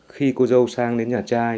khi cô dâu sang đến nhà trai